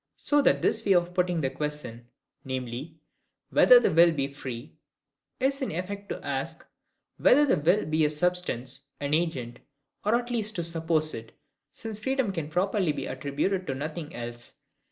So that this way of putting the question (viz. whether the will be free) is in effect to ask, whether the will be a substance, an agent, or at least to suppose it, since freedom can properly be attributed to nothing else.